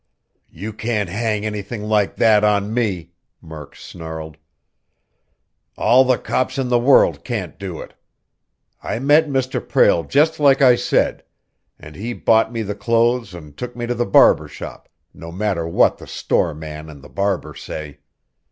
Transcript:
"You can't hang anything like that on me!" Murk snarled. "All the cops in the world can't do it! I met Mr. Prale just like I said, and he bought me the clothes and took me to the barber shop, no matter what the store man and the barber say!